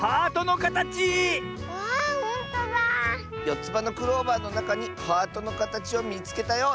「よつばのクローバーのなかにハートのかたちをみつけたよ！」